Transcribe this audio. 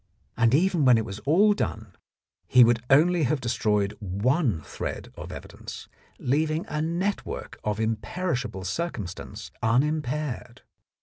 And even when it was all done, he would only have 59 The Blackmailer of Park Lane destroyed one thread of evidence, leaving a network of imperishable circumstance unimpaired.